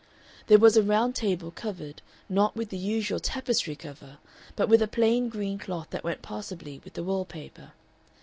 There was a round table covered, not with the usual "tapestry" cover, but with a plain green cloth that went passably with the wall paper.